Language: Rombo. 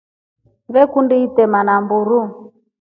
Vee kundi itema namburu.